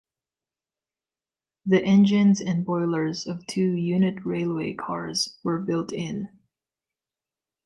The engines and boilers of two Unit Railway Cars were built in.